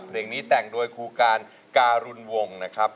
เพลงนี้แต่งโดยครูการการุณวงศ์นะครับ